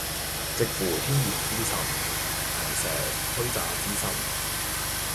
值符天乙之神，螣蛇虛詐之神